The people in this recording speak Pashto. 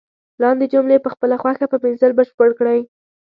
لاندې جملې په خپله خوښه په پنسل بشپړ کړئ.